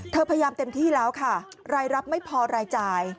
พยายามเต็มที่แล้วค่ะรายรับไม่พอรายจ่าย